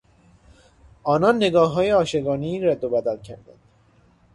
آنان نگاههای عاشقانهای رد و بدل کردند.